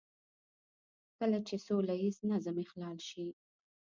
کله چې سوله ييز نظم اخلال شي.